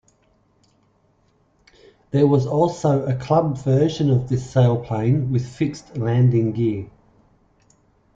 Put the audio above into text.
There was also a club version of this sailplane with fixed landing gear.